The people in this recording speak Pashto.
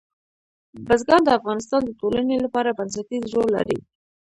بزګان د افغانستان د ټولنې لپاره بنسټيز رول لري.